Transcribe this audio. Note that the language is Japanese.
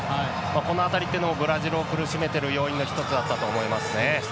この辺りっていうのがブラジルを苦しめている要因の一つだったと思います。